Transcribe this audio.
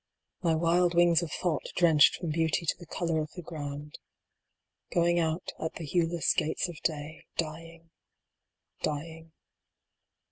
My wild wings of thought drenched from beauty to the color of the ground. Going out at the hueless gates of day. Dying, dying.